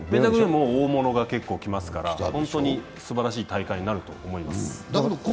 大物が結構来ますから本当にすばらしい大会になると思います。